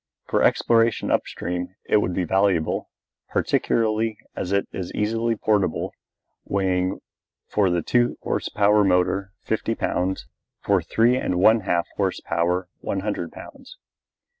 For exploration up stream it would be valuable, particularly as it is easily portable, weighing for the two horse power motor fifty pounds, for three and one half horse power one hundred pounds.